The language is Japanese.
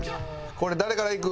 これ誰からいく？